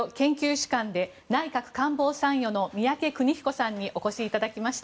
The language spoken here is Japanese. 主幹で内閣官房参与の宮家邦彦さんにお越しいただきました。